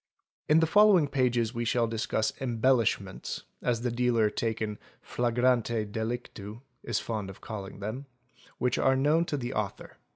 In the following pages we shall discuss "embellishments'', as the dealer taken flagrante delictu is fond of calling them, which are known to the author.